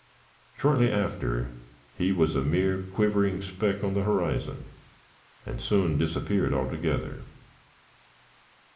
Shortly after, he was a mere quivering speck on the horizon, and soon disappeared altogether.